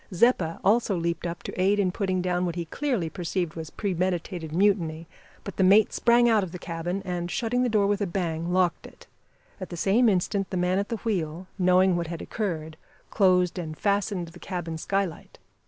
Zeppa also leaped up to aid in putting down what he clearly perceived was premeditated mutiny, but the mate sprang out of the cabin, and, shutting the door with a bang, locked it. At the same instant the man at the wheel knowing what had occurred closed and fastened the cabin sky light.